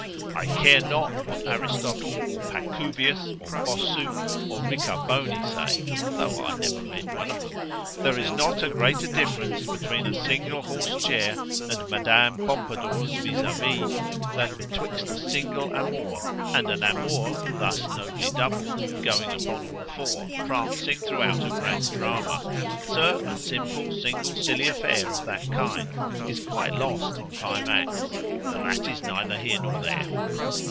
——I care not what Aristotle, or Pacuvius, or Bossu, or Ricaboni say—(though I never read one of them)——there is not a greater difference between a single horse chair and madam Pompadour's vis a vis; than betwixt a single amour, and an amour thus nobly doubled, and going upon all four, prancing throughout a grand drama——Sir, a simple, single, silly affair of that kind—is quite lost in five acts—but that is neither here nor there.